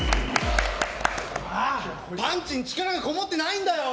パンチに力がこもってないんだよ！